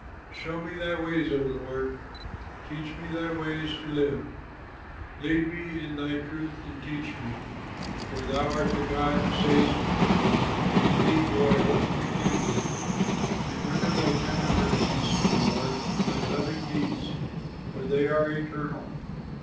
Show me thy ways, O Lord, Teach me thy way to live. Lead me in thy truth and teach me, For thou art the God who saves me, And in thee do I hope continually. Remember thy tender mercies, O Lord, And thy loving deeds, for they are eternal.